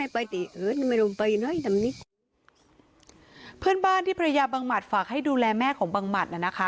เพื่อนบ้านที่ภรรยาบังหมัดฝากให้ดูแลแม่ของบังหมัดน่ะนะคะ